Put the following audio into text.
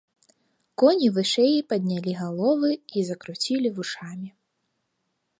Коні вышэй паднялі галовы і закруцілі вушамі.